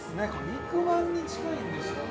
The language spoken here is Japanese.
肉まんに近いんでしょうね。